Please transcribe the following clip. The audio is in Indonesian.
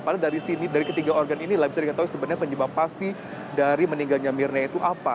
padahal dari sini dari ketiga organ inilah bisa diketahui sebenarnya penyebab pasti dari meninggalnya mirna itu apa